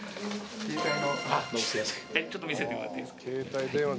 ちょっと見せてもらっていいですか？